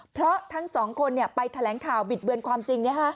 เพราะทั้งสองคนไปแถลงข่าวบิดเบือนความจริง